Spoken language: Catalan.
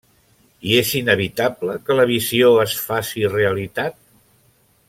I és inevitable que la visió es faci realitat?